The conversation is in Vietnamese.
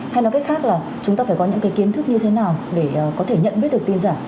hay nói cách khác là chúng ta phải có những cái kiến thức như thế nào để có thể nhận biết được tin giả